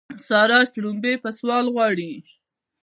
سارا شړومبې په سوال غواړي.